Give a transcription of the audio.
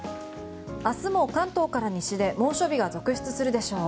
明日も関東から西で猛暑日が続出するでしょう。